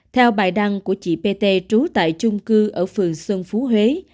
theo bài đăng của chị pt trú tại chung cư ở phường xuân phú huế